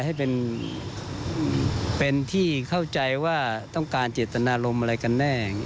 ให้เป็นที่เข้าใจว่าต้องการเจตนารมณ์อะไรกันแน่